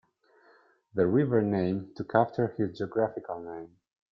The river name took after this geographical name.